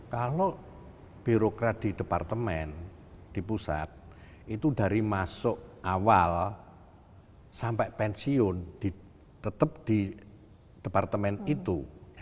kalau birokrat di departemen di pusat itu dari masuk awal sampai pensiun tetap di departemen itu